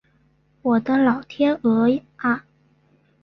我的老天鹅啊